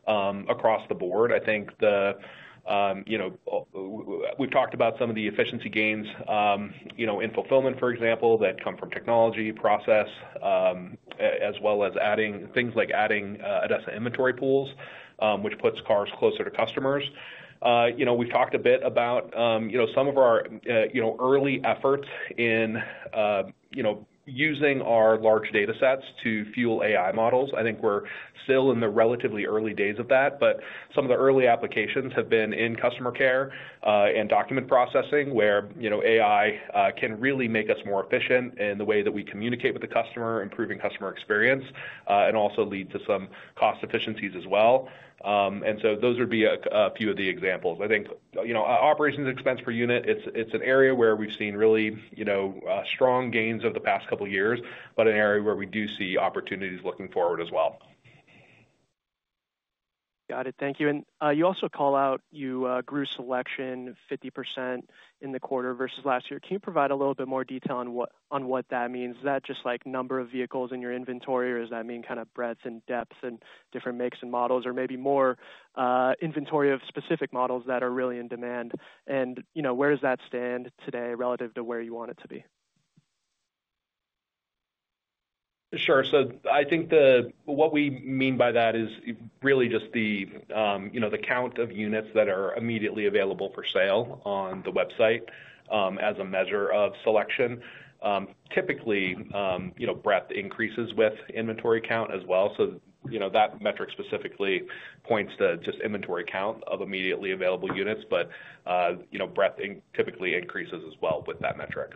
across the board. We've talked about some of the efficiency gains in fulfillment, for example, that come from technology, process, as well as things like adding Odessa inventory pools, which puts cars closer to customers. We've talked a bit about some of our early efforts in using our large data sets to fuel AI models. I think we're still in the relatively early days of that, but some of the early applications have been in customer care and document processing where AI can really make us more efficient in the way that we communicate with the customer, improving customer experience, and also lead to some cost efficiencies as well. Those would be a few of the examples. I think operations expense per unit, it's an area where we've seen really strong gains over the past couple of years, but an area where we do see opportunities looking forward as well. Got it. Thank you. You also call out you grew selection 50% in the quarter versus last year. Can you provide a little bit more detail on what that means? Is that just like number of vehicles in your inventory, or does that mean kind of breadth and depth and different makes and models, or maybe more inventory of specific models that are really in demand? Where does that stand today relative to where you want it to be? Sure. I think what we mean by that is really just the count of units that are immediately available for sale on the website as a measure of selection. Typically, breadth increases with inventory count as well. That metric specifically points to just inventory count of immediately available units, but breadth typically increases as well with that metric.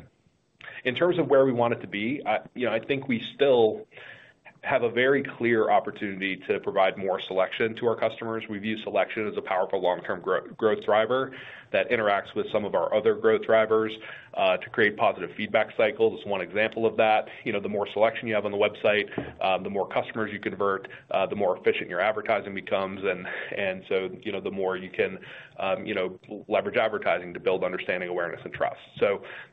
In terms of where we want it to be, I think we still have a very clear opportunity to provide more selection to our customers. We view selection as a powerful long-term growth driver that interacts with some of our other growth drivers to create positive feedback cycles. It's one example of that. The more selection you have on the website, the more customers you convert, the more efficient your advertising becomes. The more you can leverage advertising to build understanding, awareness, and trust.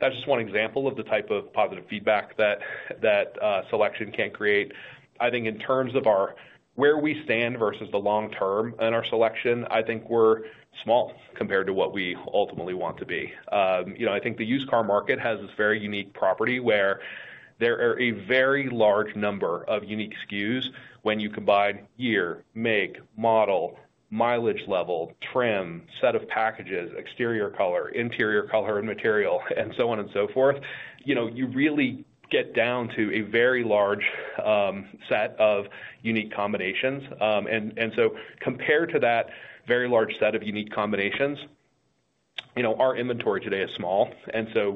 That's just one example of the type of positive feedback that selection can create. I think in terms of where we stand versus the long term in our selection, I think we're small compared to what we ultimately want to be. The used car market has this very unique property where there are a very large number of unique SKUs when you combine year, make, model, mileage level, trim, set of packages, exterior color, interior color, and material, and so on and so forth. You really get down to a very large set of unique combinations. Compared to that very large set of unique combinations, our inventory today is small.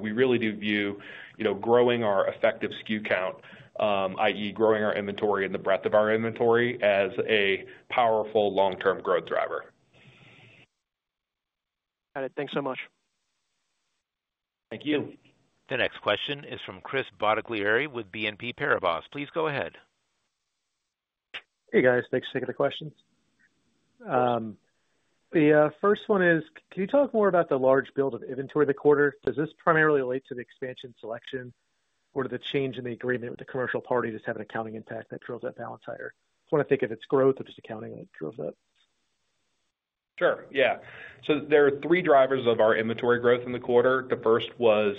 We really do view growing our effective SKU count, i.e., growing our inventory and the breadth of our inventory, as a powerful long-term growth driver. Got it. Thanks so much. Thank you. The next question is from Chris Bottiglieri with BNP Paribas. Please go ahead. Hey, guys. Thanks for taking the questions. The first one is, can you talk more about the large build of inventory of the quarter? Does this primarily relate to the expansion selection or to the change in the agreement with the commercial party to just have an accounting impact that drills that balance higher? I just want to think if it's growth or just accounting that drills that. Sure. Yeah. There are three drivers of our inventory growth in the quarter. The first was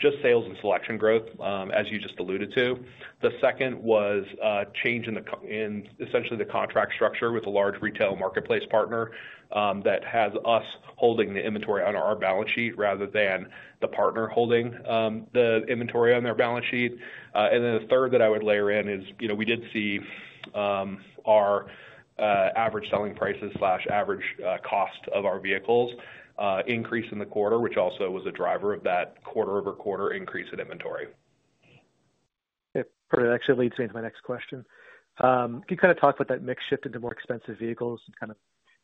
just sales and selection growth, as you just alluded to. The second was a change in essentially the contract structure with a large retail marketplace partner that has us holding the inventory on our balance sheet rather than the partner holding the inventory on their balance sheet. The third that I would layer in is we did see our average selling prices and average cost of our vehicles increase in the quarter, which also was a driver of that quarter-over-quarter increase in inventory. It actually leads me to my next question. Can you kind of talk about that mix shift into more expensive vehicles and kind of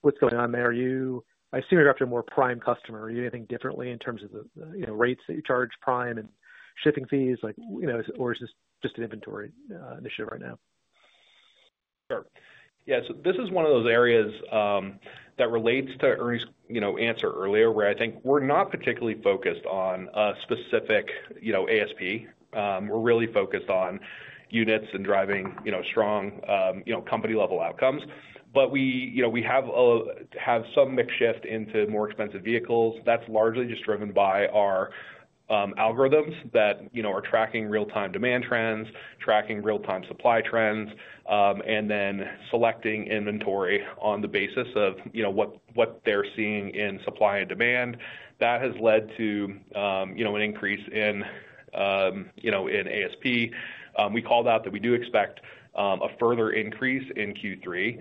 what's going on there? I assume you're after a more prime customer. Are you doing anything differently in terms of the rates that you charge prime and shipping fees, or is this just an inventory initiative right now? Sure. Yeah. This is one of those areas that relates to Ernie's answer earlier where I think we're not particularly focused on a specific ASP. We're really focused on units and driving strong company-level outcomes. We have some mix shift into more expensive vehicles. That's largely just driven by our algorithms that are tracking real-time demand trends, tracking real-time supply trends, and then selecting inventory on the basis of what they're seeing in supply and demand. That has led to an increase in ASP. We called out that we do expect a further increase in Q3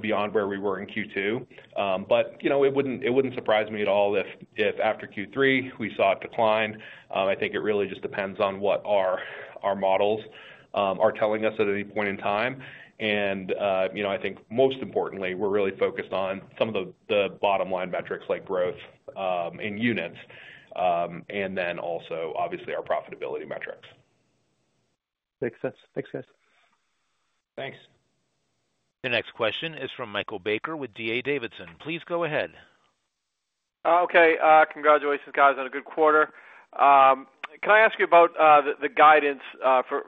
beyond where we were in Q2. It wouldn't surprise me at all if after Q3 we saw a decline. I think it really just depends on what our models are telling us at any point in time. I think most importantly, we're really focused on some of the bottom-line metrics like growth in units and then also, obviously, our profitability metrics. Makes sense. Thanks, guys. Thanks. The next question is from Michael Baker with DA Davidson. Please go ahead. Okay. Congratulations, guys, on a good quarter. Can I ask you about the guidance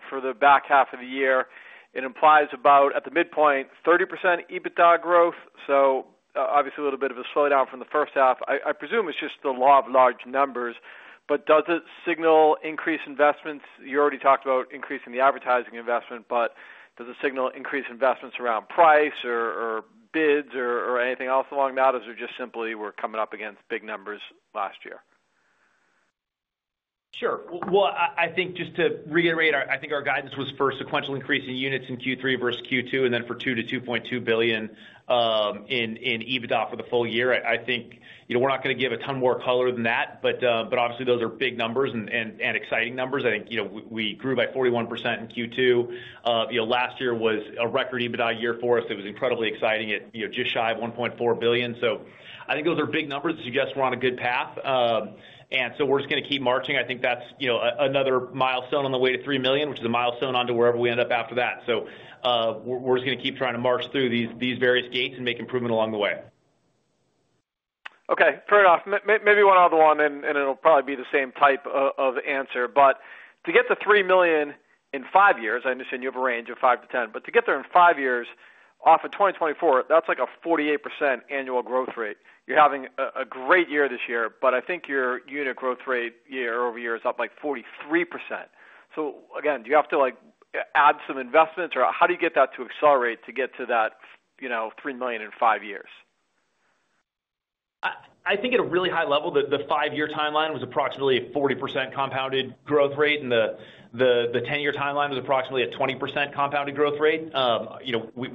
for the back half of the year? It implies about, at the midpoint, 30% EBITDA growth. Obviously, a little bit of a slowdown from the first half. I presume it's just the law of large numbers, but does it signal increased investments? You already talked about increasing the advertising investment, but does it signal increased investments around price or bids or anything else along that, or is it just simply we're coming up against big numbers last year? Sure. I think just to reiterate, I think our guidance was for a sequential increase in units in Q3 versus Q2, and then for $2 billion-$2.2 billion in EBITDA for the full year. I think we're not going to give a ton more color than that, but obviously, those are big numbers and exciting numbers. I think we grew by 41% in Q2. Last year was a record EBITDA year for us. It was incredibly exciting. It was just shy of $1.4 billion. I think those are big numbers to suggest we're on a good path. We're just going to keep marching. I think that's another milestone on the way to $3 million, which is a milestone onto wherever we end up after that. We're just going to keep trying to march through these various gates and make improvement along the way. Okay. Fair enough. Maybe one other one, and it'll probably be the same type of answer. To get to $3 million in five years, I understand you have a range of 5-10, but to get there in five years off of 2024, that's like a 48% annual growth rate. You're having a great year this year, but I think your unit growth rate year over year is up like 43%. Do you have to add some investments, or how do you get that to accelerate to get to that $3 million in five years? I think at a really high level, the five-year timeline was approximately a 40% compounded growth rate, and the 10-year timeline was approximately a 20% compounded growth rate.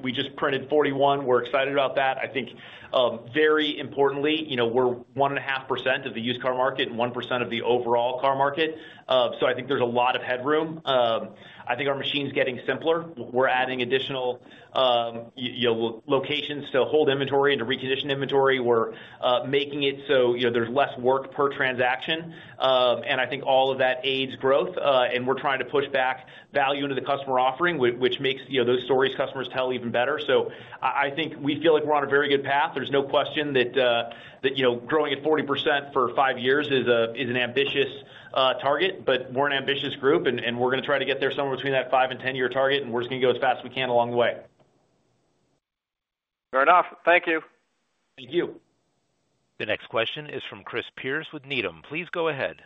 We just printed 41%. We're excited about that. Very importantly, we're 1.5% of the used car market and 1% of the overall car market. I think there's a lot of headroom. I think our machine's getting simpler. We're adding additional locations to hold inventory and to recondition inventory. We're making it so there's less work per transaction. I think all of that aids growth, and we're trying to push back value into the customer offering, which makes those stories customers tell even better. I think we feel like we're on a very good path. There's no question that growing at 40% for five years is an ambitious target, but we're an ambitious group, and we're going to try to get there somewhere between that 5 and 10-year target, and we're just going to go as fast as we can along the way. Fair enough. Thank you. Thank you. The next question is from Chris Pierce with Needham. Please go ahead.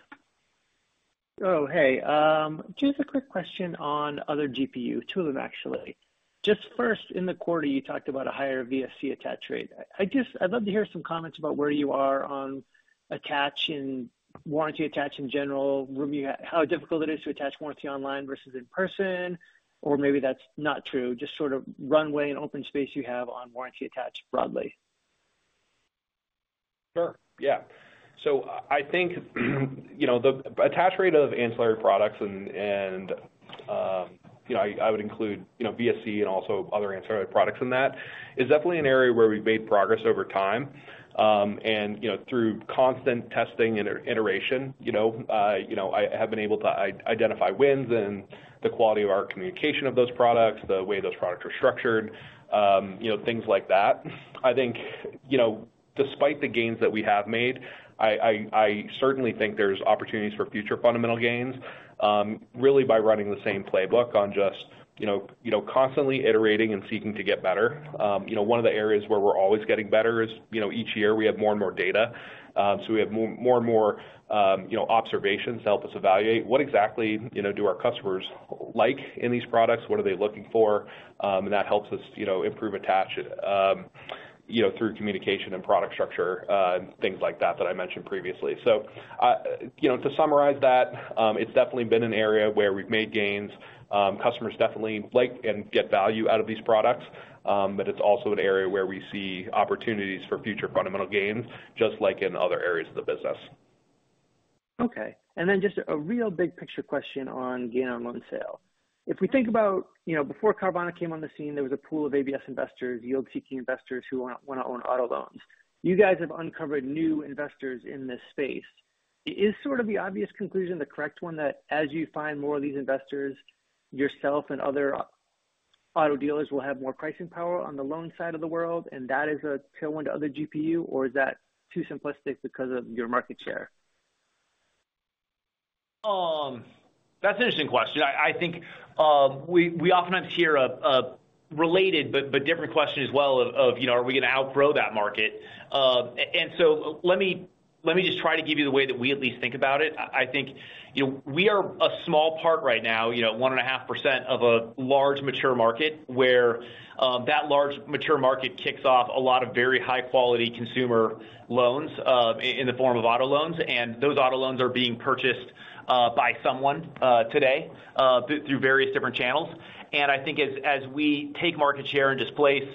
Oh, hey. Just a quick question on other GPUs, two of them, actually. First, in the quarter, you talked about a higher vehicle service contract attach rate. I'd love to hear some comments about where you are on attach and warranty attach in general, how difficult it is to attach warranty online versus in person, or maybe that's not true. Just sort of runway and open space you have on warranty attach broadly. Sure. Yeah. I think the attach rate of ancillary products, and I would include vehicle service contracts and also other ancillary products in that, is definitely an area where we've made progress over time. Through constant testing and iteration, I have been able to identify wins in the quality of our communication of those products, the way those products are structured, things like that. I think despite the gains that we have made, I certainly think there's opportunities for future fundamental gains, really by running the same playbook on just constantly iterating and seeking to get better. One of the areas where we're always getting better is each year we have more and more data. We have more and more observations to help us evaluate what exactly do our customers like in these products, what are they looking for, and that helps us improve attach through communication and product structure, things like that that I mentioned previously. To summarize that, it's definitely been an area where we've made gains. Customers definitely like and get value out of these products, but it's also an area where we see opportunities for future fundamental gains, just like in other areas of the business. Okay. Just a real big picture question on gain on loan sale. If we think about before Carvana came on the scene, there was a pool of ABS investors, yield-seeking investors who want to own auto loans. You guys have uncovered new investors in this space. Is sort of the obvious conclusion the correct one that as you find more of these investors, yourself and other auto dealers will have more pricing power on the loan side of the world, and that is a tailwind to other GPU, or is that too simplistic because of your market share? That's an interesting question. We oftentimes hear a related but different question as well of, are we going to outgrow that market? Let me just try to give you the way that we at least think about it. We are a small part right now, 1.5% of a large mature market where that large mature market kicks off a lot of very high-quality consumer loans in the form of auto loans. Those auto loans are being purchased by someone today through various different channels. As we take market share and displace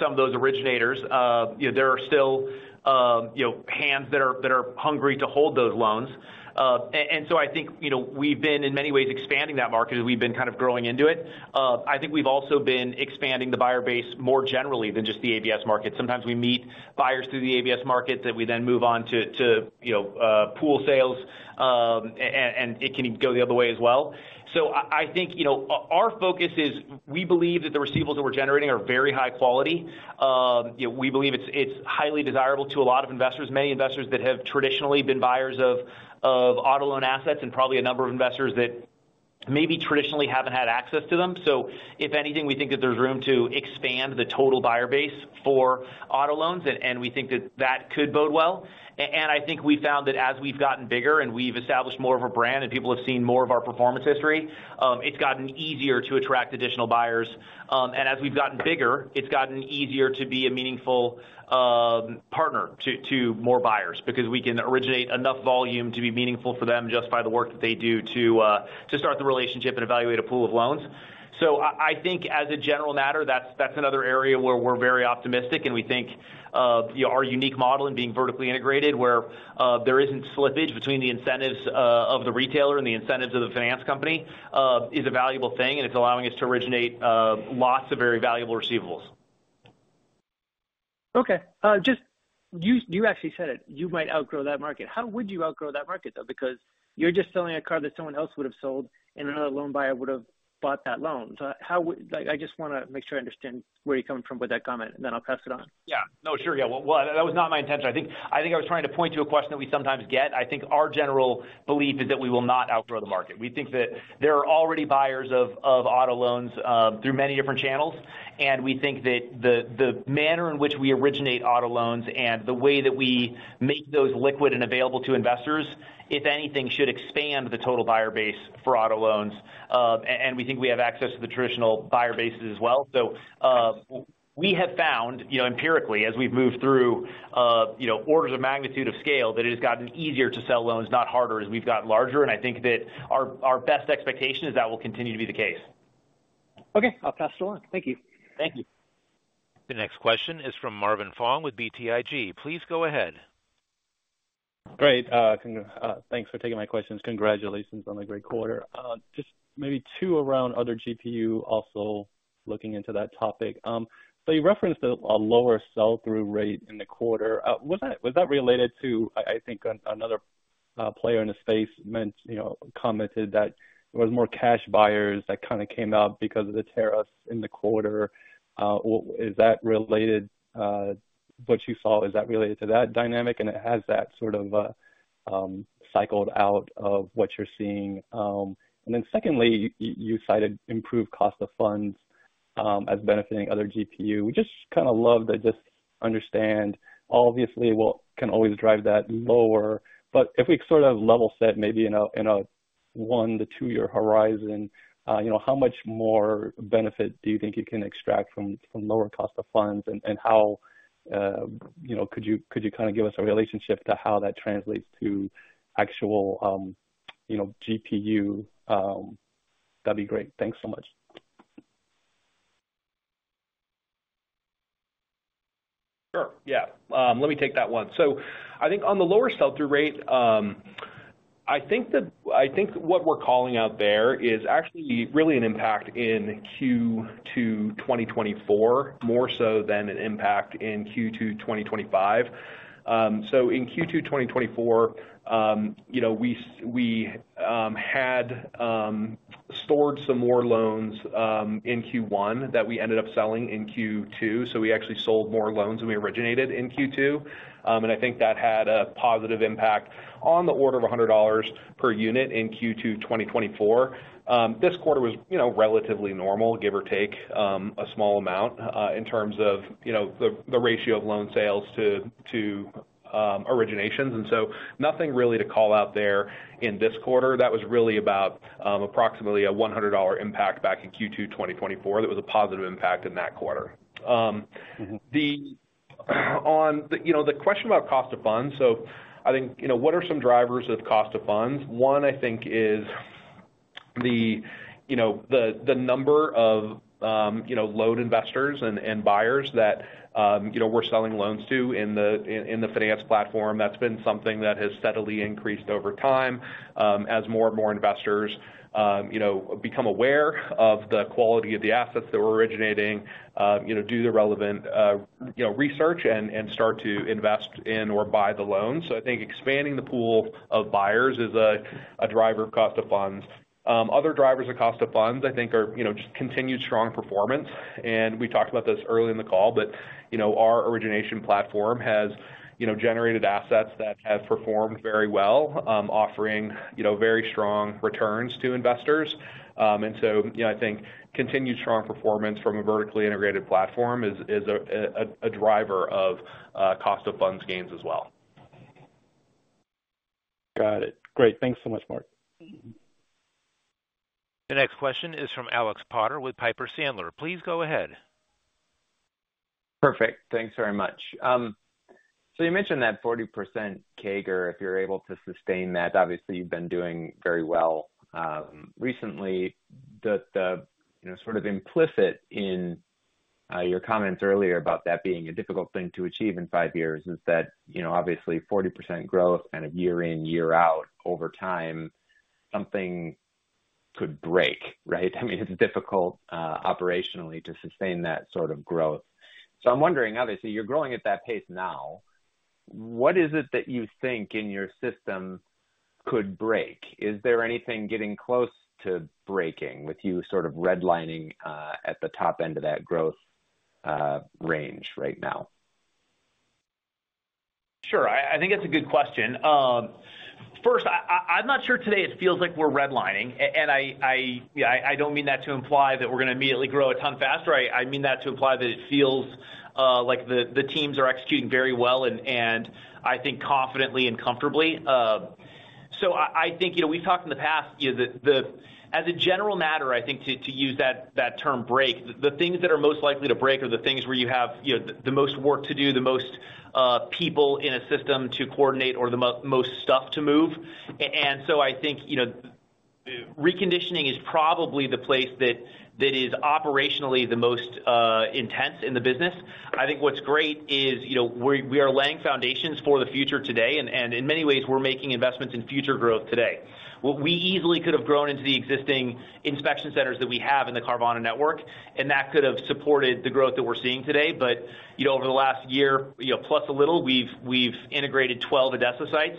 some of those originators, there are still hands that are hungry to hold those loans. We have been, in many ways, expanding that market as we've been kind of growing into it. We've also been expanding the buyer base more generally than just the ABS market. Sometimes we meet buyers through the ABS market that we then move on to pool sales. It can even go the other way as well. Our focus is we believe that the receivables that we're generating are very high quality. We believe it's highly desirable to a lot of investors, many investors that have traditionally been buyers of auto loan assets and probably a number of investors that maybe traditionally haven't had access to them. If anything, we think that there's room to expand the total buyer base for auto loans, and we think that that could bode well. We found that as we've gotten bigger and we've established more of a brand and people have seen more of our performance history, it's gotten easier to attract additional buyers. As we've gotten bigger, it's gotten easier to be a meaningful partner to more buyers because we can originate enough volume to be meaningful for them just by the work that they do to start the relationship and evaluate a pool of loans. As a general matter, that's another area where we're very optimistic, and we think our unique model in being vertically integrated, where there isn't slippage between the incentives of the retailer and the incentives of the finance company, is a valuable thing, and it's allowing us to originate lots of very valuable receivables. Okay. You actually said it. You might outgrow that market. How would you outgrow that market, though? Because you're just selling a car that someone else would have sold, and another loan buyer would have bought that loan. I just want to make sure I understand where you're coming from with that comment, and then I'll pass it on. Yeah. No, sure. That was not my intention. I think I was trying to point to a question that we sometimes get. I think our general belief is that we will not outgrow the market. We think that there are already buyers of auto loans through many different channels, and we think that the manner in which we originate auto loans and the way that we make those liquid and available to investors, if anything, should expand the total buyer base for auto loans. We think we have access to the traditional buyer bases as well. We have found empirically, as we've moved through orders of magnitude of scale, that it has gotten easier to sell loans, not harder, as we've gotten larger. I think that our best expectation is that will continue to be the case. Okay, I'll pass it along. Thank you. Thank you. The next question is from Marvin Fong with BTIG. Please go ahead. Great. Thanks for taking my questions. Congratulations on a great quarter. Just maybe two around other GPU, also looking into that topic. You referenced a lower sell-through rate in the quarter. Was that related to, I think, another player in the space commented that there were more cash buyers that kind of came out because of the tariffs in the quarter? Is that related? What you saw, is that related to that dynamic? Has that sort of cycled out of what you're seeing? You cited improved cost of funds as benefiting other GPU. We just kind of love to just understand, obviously, what can always drive that lower. If we sort of level set, maybe in a one to two-year horizon, how much more benefit do you think you can extract from lower cost of funds, and how could you kind of give us a relationship to how that translates to actual GPU? That'd be great. Thanks so much. Sure. Yeah. Let me take that one. I think on the lower sell-through rate, what we're calling out there is actually really an impact in Q2 2024, more so than an impact in Q2 2025. In Q2 2024, we had stored some more loans in Q1 that we ended up selling in Q2, so we actually sold more loans than we originated in Q2. I think that had a positive impact on the order of $100 per unit in Q2 2024. This quarter was relatively normal, give or take a small amount in terms of the ratio of loan sales to originations. Nothing really to call out there in this quarter. That was really about approximately a $100 impact back in Q2 2024 that was a positive impact in that quarter. On the question about cost of funds, I think what are some drivers of cost of funds? One, I think, is the number of loan investors and buyers that we're selling loans to in the finance platform. That's been something that has steadily increased over time as more and more investors become aware of the quality of the assets that we're originating, do the relevant research, and start to invest in or buy the loans. I think expanding the pool of buyers is a driver of cost of funds. Other drivers of cost of funds, I think, are just continued strong performance. We talked about this early in the call, but our origination platform has generated assets that have performed very well, offering very strong returns to investors. I think continued strong performance from a vertically integrated platform is a driver of cost of funds gains as well. Got it. Great. Thanks so much, Mark. The next question is from Alex Potter with Piper Sandler. Please go ahead. Perfect. Thanks very much. You mentioned that 40% CAGR. If you're able to sustain that, obviously, you've been doing very well recently. The sort of implicit in your comments earlier about that being a difficult thing to achieve in five years is that, obviously, 40% growth kind of year in, year out, over time, something could break, right? I mean, it's difficult operationally to sustain that sort of growth. I'm wondering, obviously, you're growing at that pace now. What is it that you think in your system could break? Is there anything getting close to breaking with you sort of redlining at the top end of that growth range right now? Sure. I think that's a good question. First, I'm not sure today it feels like we're redlining. I don't mean that to imply that we're going to immediately grow a ton faster. I mean that to imply that it feels like the teams are executing very well and, I think, confidently and comfortably. I think we've talked in the past. As a general matter, I think, to use that term break, the things that are most likely to break are the things where you have the most work to do, the most people in a system to coordinate, or the most stuff to move. I think reconditioning is probably the place that is operationally the most intense in the business. I think what's great is we are laying foundations for the future today, and in many ways, we're making investments in future growth today. We easily could have grown into the existing inspection centers that we have in the Carvana network, and that could have supported the growth that we're seeing today. Over the last year, plus a little, we've integrated 12 Odessa sites.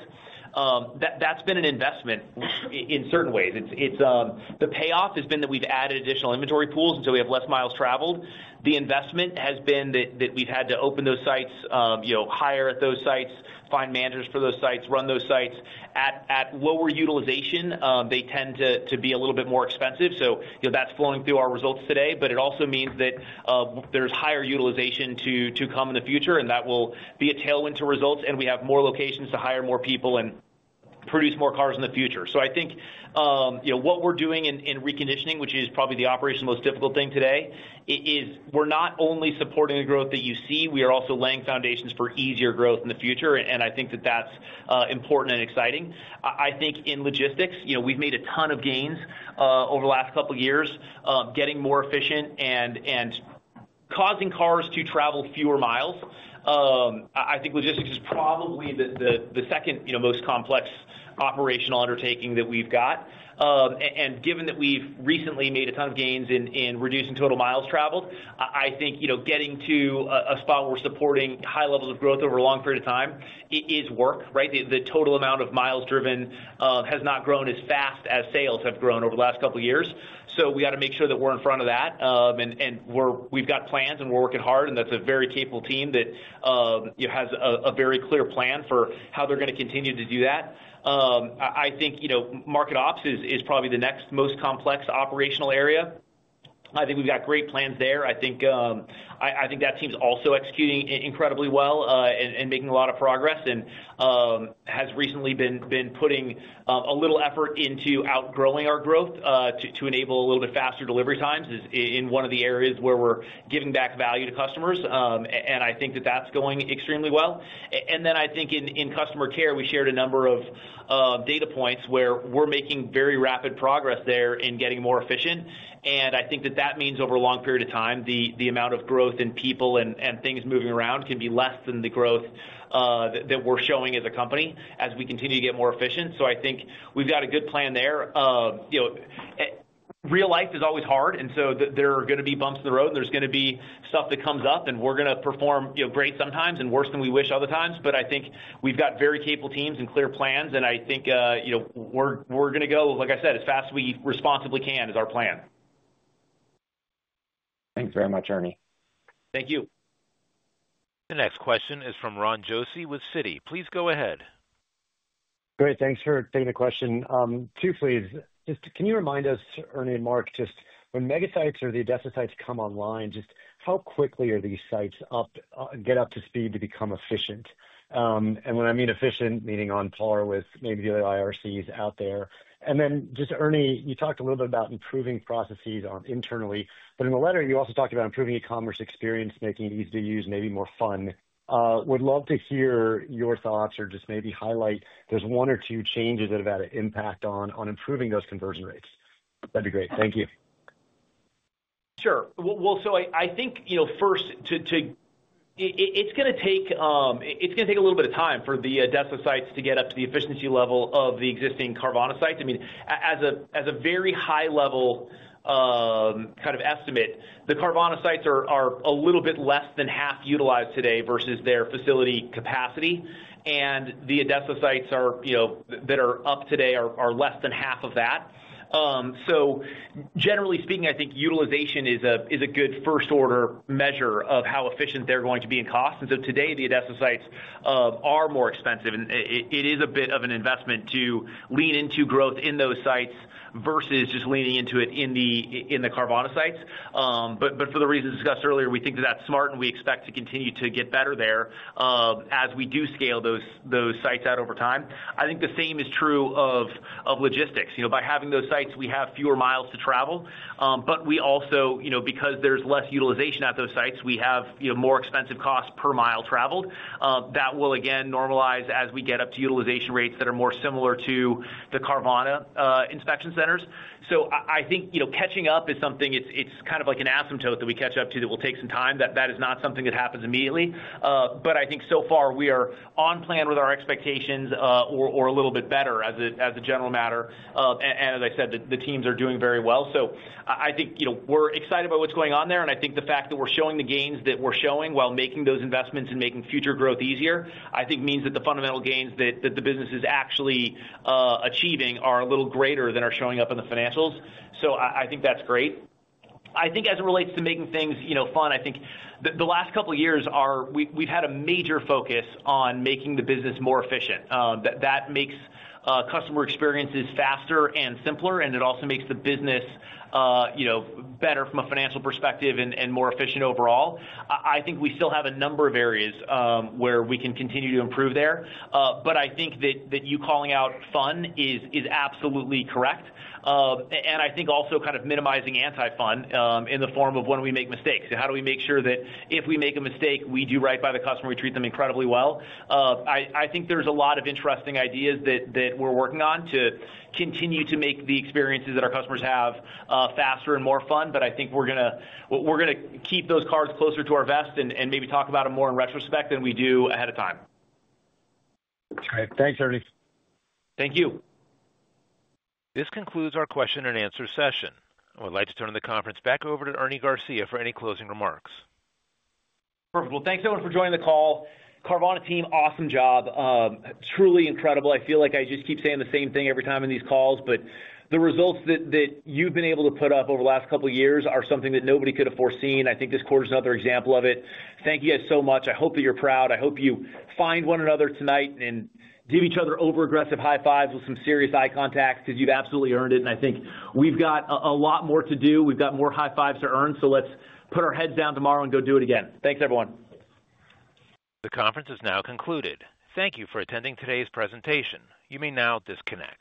That's been an investment in certain ways. The payoff has been that we've added additional inventory pools, and so we have less miles traveled. The investment has been that we've had to open those sites, hire at those sites, find managers for those sites, run those sites. At lower utilization, they tend to be a little bit more expensive. That's flowing through our results today, but it also means that there's higher utilization to come in the future, and that will be a tailwind to results, and we have more locations to hire more people and produce more cars in the future. I think what we're doing in reconditioning, which is probably the operationally most difficult thing today, is we're not only supporting the growth that you see, we are also laying foundations for easier growth in the future, and I think that that's important and exciting. I think in logistics, we've made a ton of gains over the last couple of years, getting more efficient and causing cars to travel fewer miles. I think logistics is probably the second most complex operational undertaking that we've got. Given that we've recently made a ton of gains in reducing total miles traveled, I think getting to a spot where we're supporting high levels of growth over a long period of time is work, right? The total amount of miles driven has not grown as fast as sales have grown over the last couple of years. We got to make sure that we're in front of that. We've got plans, and we're working hard, and that's a very capable team that has a very clear plan for how they're going to continue to do that. I think market ops is probably the next most complex operational area. I think we've got great plans there. I think that team is also executing incredibly well and making a lot of progress and has recently been putting a little effort into outgrowing our growth to enable a little bit faster delivery times in one of the areas where we're giving back value to customers. I think that that's going extremely well. In customer care, we shared a number of data points where we're making very rapid progress there in getting more efficient. I think that means over a long period of time, the amount of growth in people and things moving around can be less than the growth that we're showing as a company as we continue to get more efficient. I think we've got a good plan there. Real life is always hard, and there are going to be bumps in the road, and there's going to be stuff that comes up, and we're going to perform great sometimes and worse than we wish other times. I think we've got very capable teams and clear plans, and I think we're going to go, like I said, as fast as we responsibly can is our plan. Thanks very much, Ernie. Thank you. The next question is from Ron Josey with Citi. Please go ahead. Great. Thanks for taking the question. Two, please. Just can you remind us, Ernie and Mark, just when mega sites or the Odessa sites come online, just how quickly are these sites up, get up to speed to become efficient? When I mean efficient, meaning on par with maybe the IRCs out there. Ernie, you talked a little bit about improving processes internally, but in the letter, you also talked about improving e-commerce experience, making it easy to use, maybe more fun. Would love to hear your thoughts or just maybe highlight there's one or two changes that have had an impact on improving those conversion rates. That'd be great. Thank you. Sure. I think first, it's going to take a little bit of time for the Odessa sites to get up to the efficiency level of the existing Carvana sites. As a very high-level kind of estimate, the Carvana sites are a little bit less than half utilized today versus their facility capacity, and the Odessa sites that are up today are less than half of that. Generally speaking, I think utilization is a good first-order measure of how efficient they're going to be in cost. Today, the Odessa sites are more expensive, and it is a bit of an investment to lean into growth in those sites versus just leaning into it in the Carvana sites. For the reasons discussed earlier, we think that that's smart, and we expect to continue to get better there as we do scale those sites out over time. I think the same is true of logistics. By having those sites, we have fewer miles to travel. We also, because there's less utilization at those sites, have more expensive costs per mile traveled. That will, again, normalize as we get up to utilization rates that are more similar to the Carvana inspection centers. Catching up is something it's kind of like an asymptote that we catch up to that will take some time. That is not something that happens immediately. So far, we are on plan with our expectations or a little bit better as a general matter. As I said, the teams are doing very well. We're excited by what's going on there. The fact that we're showing the gains that we're showing while making those investments and making future growth easier means that the fundamental gains that the business is actually achieving are a little greater than are showing up in the financials. I think that's great. As it relates to making things fun, the last couple of years, we've had a major focus on making the business more efficient. That makes customer experiences faster and simpler, and it also makes the business better from a financial perspective and more efficient overall. We still have a number of areas where we can continue to improve there. You calling out fun is absolutely correct. Also, kind of minimizing anti-fun in the form of when we make mistakes, how do we make sure that if we make a mistake, we do right by the customer, we treat them incredibly well. There are a lot of interesting ideas that we're working on to continue to make the experiences that our customers have faster and more fun. We're going to keep those cards closer to our vest and maybe talk about them more in retrospect than we do ahead of time. That's great. Thanks, Ernie. Thank you. This concludes our question and answer session. I would like to turn the conference back over to Ernie Garcia for any closing remarks. Perfect. Thanks everyone for joining the call. Carvana team, awesome job. Truly incredible. I feel like I just keep saying the same thing every time in these calls, but the results that you've been able to put up over the last couple of years are something that nobody could have foreseen. I think this quarter is another example of it. Thank you guys so much. I hope that you're proud. I hope you find one another tonight and give each other over-aggressive high-fives with some serious eye contact because you've absolutely earned it. I think we've got a lot more to do. We've got more high-fives to earn. Let's put our heads down tomorrow and go do it again. Thanks, everyone. The conference is now concluded. Thank you for attending today's presentation. You may now disconnect.